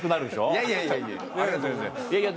いやいやいやありがとうございます。